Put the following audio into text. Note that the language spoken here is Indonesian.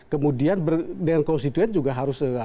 kemudian dengan konstituen juga harus